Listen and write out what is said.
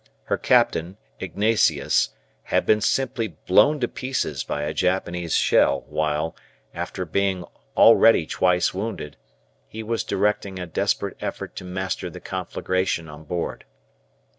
Her captain, Ignazius, had been simply blown to pieces by a Japanese shell while, after being already twice wounded, he was directing a desperate effort to master the conflagration on board.